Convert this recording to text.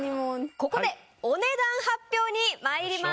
ここでお値段発表に参ります。